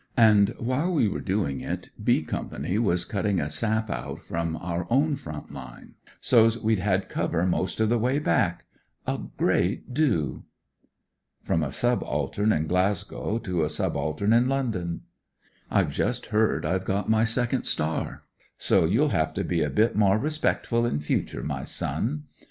And while we were doing it ' B ' Company was cutting a sap out from our own front line, ;■ I 1^ THE HOSPITAL MAH^ BAGS 187 had most of the way back. so's we Had cover A great do." From a subaltern in Glasgow to a subaltern in London : "I've just heard I've got my second star; so you'll have to be a bit more respectful in future, my son.